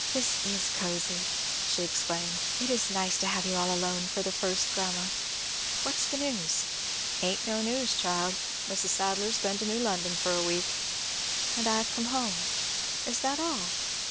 "This is cosy!" she exclaimed. "It is nice to have you all alone for the first, grandma. What's the news?" "Ain't no news, child. Mrs. Saddler's been to New London for a week." "And I have come home. Is that all?"